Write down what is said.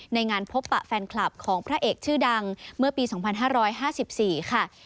งานพบปะแฟนคลับของพระเอกชื่อดังเมื่อปี๒๕๕๔ค่ะ